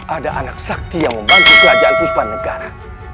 ada anak sakti yang membantu kerajaan puspanegara